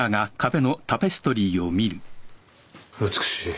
美しい。